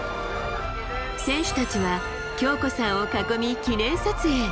選手たちは、京子さんを囲み、記念撮影。